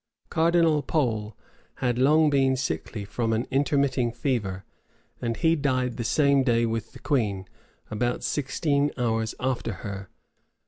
Cardinal Pole had long been sickly from an intermitting fever; and he died the same day with the queen, about sixteen hours after her.